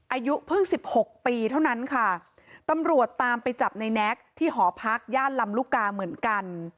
อายุเพิ่งสิบหกปีเท่านั้นค่ะตำรวจตามไปจับในแน็กที่หอพักย่านลำลูกกาเหมือนกัน